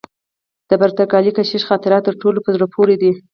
د پرتګالي کشیش خاطرات تر ټولو په زړه پوري دي.